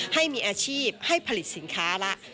ให้มีอาชีพให้ผลิตสินค้าละ